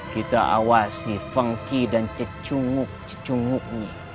kita awasi fengki dan cecunguk cecunguknya